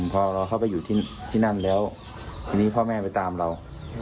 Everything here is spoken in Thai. พอเราเข้าไปอยู่ที่นั่นแล้วทีนี้พ่อแม่ไปตามเรา